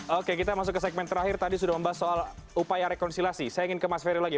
oke kita masuk ke segmen terakhir tadi sudah membahas soal upaya rekonsiliasi saya ingin ke mas ferry lagi